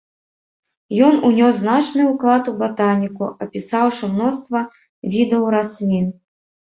Ён унёс значны ўклад у батаніку, апісаўшы мноства відаў раслін.